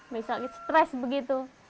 misalnya stres begitu